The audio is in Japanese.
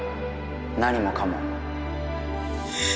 何もかも。